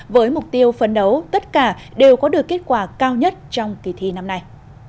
với mục tiêu phấn đấu tất cả đều có được kết quả cao nhất trong kỳ thi năm nay